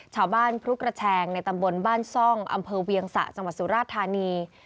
พรุกระแชงในตำบลบ้านซ่องอำเภอเวียงสะจังหวัดสุราธานี